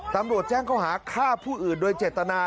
ตำรวจแจ้งเขาหาฆ่าผู้อื่นโดยเจตนา